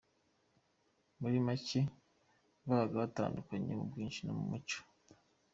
Muri make babaga batandukanye mu bwinshi no mu mico.